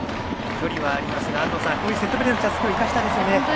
距離はありますが、安藤さんセットプレーのチャンスを生かしたいですよね。